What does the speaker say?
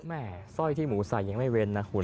สร้อยที่หมูใส่ยังไม่เว้นนะคุณ